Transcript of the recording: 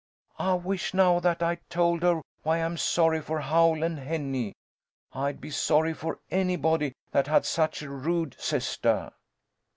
"I wish now that I'd told her why I'm sorry for Howl and Henny. I'd be sorry for anybody that had such a rude sistah!"